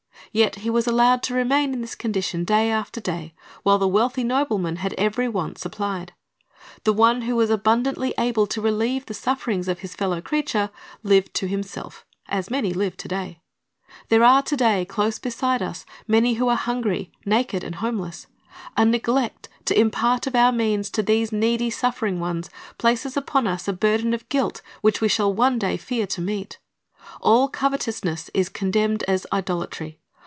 Yet he was allowed to remain in this condition day after day, while the wealthy nobleman had every want supplied. The one who was abundantly able to relieve the sufferings of his fellow creature, lived to himself, as many live to day. There are to day close beside us many who are hungry, naked, and homeless. A neglect to impart of our means to these needy, suffering ones places upon us a burden of guilt which we shall one day fear to meet. All covetousness is condemned as idolatry.